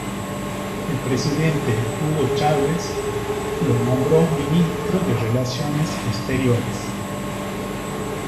El presidente Hugo Chávez lo nombró ministro de relaciones exteriores.